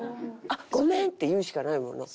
「ごめん」って言うしかないもんな。